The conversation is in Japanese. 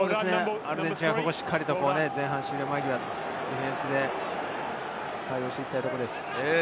アルゼンチンはしっかりディフェンスで対応していきたいところです。